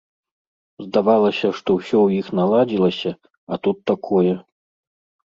Здавалася, што ўсё ў іх наладзілася, а тут такое.